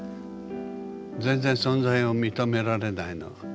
全然存在を認められないの。